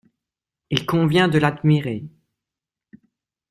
Il convient de l'admirer.